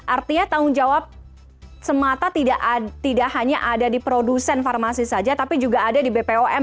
artinya tanggung jawab semata tidak hanya ada di produsen farmasi saja tapi juga ada di bpom